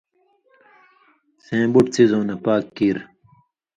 سېں بُٹ څیزؤں نہ پاک کیریۡ